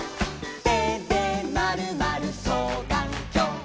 「てでまるまるそうがんきょう」